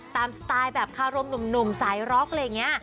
สไตล์แบบคารมหนุ่มสายร็อกอะไรอย่างนี้